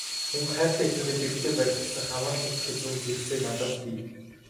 Мөн хайртай эхнэрээ дэргэдээ байлгах гэсэн хамаарлын сэтгэлзүйн хэрэгцээ надад бий.